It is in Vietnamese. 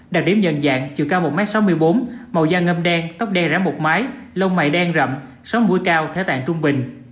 đặc điểm nhận dạng chiều cao một m sáu mươi bốn màu da hơi ngâm đen tóc đen lông mày đen rậm sống mũi cao thế tạng trung bình